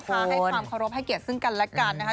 ให้ความเคารพให้เกียรติซึ่งกันและกันนะคะ